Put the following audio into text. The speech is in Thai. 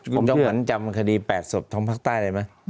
ผมจับมันจำคดี๘ส่วนท้องภาษาใต้ได้ไหม